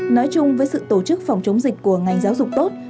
nói chung với sự tổ chức phòng chống dịch của ngành giáo dục tốt